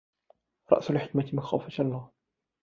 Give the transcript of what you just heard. رأس الحكمة مخافة الله.